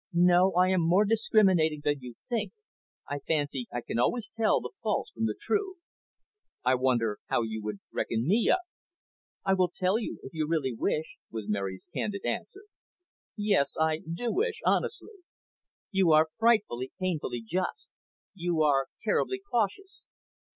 "No. I am more discriminating than you think. I fancy I can always tell the false from the true." "I wonder how you would reckon me up?" "I will tell you, if you really wish," was Mary's candid answer. "Yes, I do wish, honestly." "You are frightfully, painfully just. You are terribly cautious.